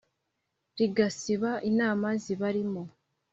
Rigasiba inama zibarimo